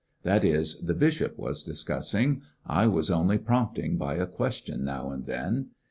That is, the bishop was discussing. I was only prompting by a question now and then.